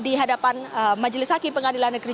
di hadapan majelis hakim pengadilan negeri